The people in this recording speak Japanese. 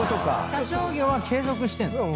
社長業は継続してんの？